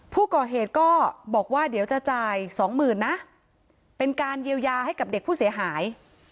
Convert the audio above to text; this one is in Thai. ผู้ก่อเหตุก็บอกว่าเดี๋ยวจะจ่ายสองหมื่นนะเป็นการเยียวยาให้กับเด็กผู้เสียหาย